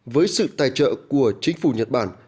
với sự tài trợ của các nhà nước việt nam nhật bản